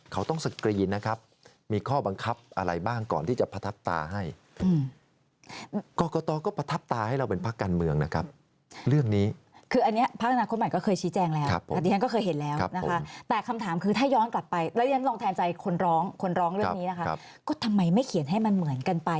เขาต้องสกรีนนะครับมีข้อบังคับอะไรบ้างก่อนที่จะประทับตาให้กรกตก็ประทับตาให้เราเป็นพักการเมืองนะครับเรื่องนี้คืออันนี้พักอนาคตใหม่ก็เคยชี้แจงแล้วอันนี้ฉันก็เคยเห็นแล้วนะคะแต่คำถามคือถ้าย้อนกลับไปแล้วเรียนลองแทนใจคนร้องคนร้องเรื่องนี้นะคะก็ทำไมไม่เขียนให้มันเหมือนกันไป